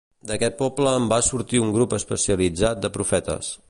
D'aquest poble en va sortir un grup especialitzat de profetes.